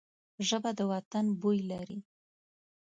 ژبه د وطن بوی لري